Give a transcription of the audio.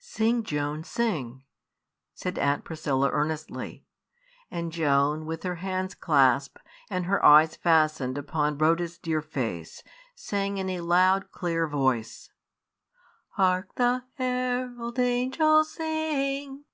"Sing, Joan, sing," said Aunt Priscilla, earnestly; and Joan, with her hands clasped, and her eyes fastened upon Rhoda's dear face, sang in a loud, clear voice Hark! the herald angels sing!